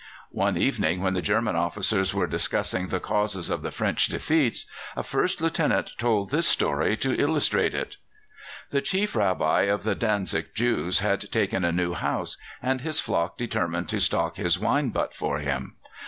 One evening, when the German officers were discussing the causes of the French defeats, a First Lieutenant told this story to illustrate it: The Chief Rabbi of the Dantzic Jews had taken a new house, and his flock determined to stock his wine butt for him.